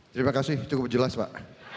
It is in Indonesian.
terima kasih cukup jelas pak